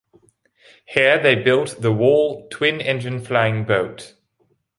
Here they built the "Wal" twin-engine flying boat.